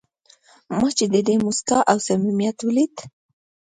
ما چې د ده موسکا او صمیمیت ولید.